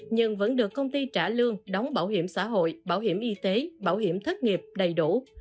nhưng vẫn được công ty trả lương đóng bảo hiểm xã hội bảo hiểm y tế bảo hiểm thất nghiệp đầy đủ